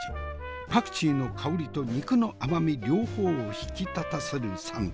パクチーの香りと肉の甘み両方を引き立たせる算段。